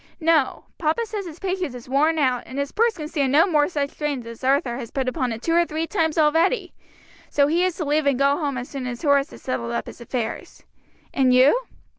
"No; papa says his patience is worn out, and his purse can stand no more such drains as Arthur has put upon it two or three times already. So he is to leave and go home as soon as Horace has settled up his affairs." "And you?"